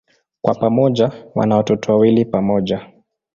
Kwa pamoja wana watoto wawili pamoja.